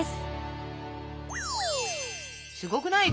すごくない？